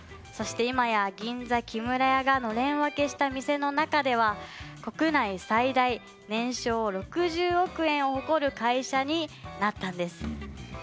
そして今や、銀座木村屋がのれん分けした店の中では国内最大、年商６０億円を誇る会社になったんです。